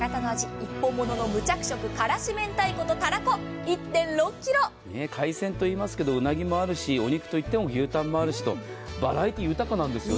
一本物の無着色、辛子明太子とたらこ海鮮といいますけれどもうなぎもあるしお肉といっても牛タンもあるしとバラエティー豊かなんですよね。